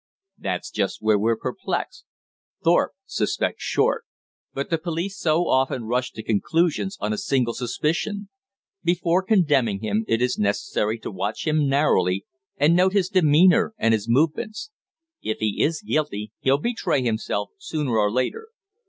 "That's just where we're perplexed. Thorpe suspects Short; but the police so often rush to conclusions on a single suspicion. Before condemning him it is necessary to watch him narrowly, and note his demeanour and his movements. If he is guilty he'll betray himself sooner or later.